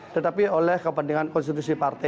tetapi oleh kepentingan konstitusi partai